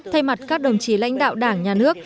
thay mặt các đồng chí lãnh đạo đảng nhà nước